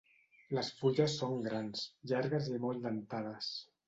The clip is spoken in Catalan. Les fulles són grans, llargues i molt dentades.